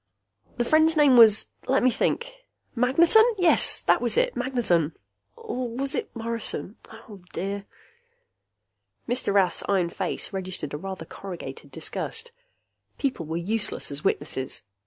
"The friend's name was let me think Magneton! That was it! Magneton! Or was it Morrison? Oh, dear...." Mr. Rath's iron face registered a rather corrugated disgust. People were useless as witnesses.